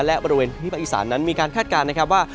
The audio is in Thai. และบริเวณพื้นที่ภาคอีสานนั้นมีการคาดการณ์นะครับว่า